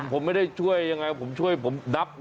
ผมไม่ได้ช่วยอย่างไรผมช่วยหนับ